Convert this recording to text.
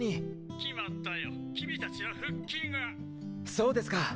そうですか。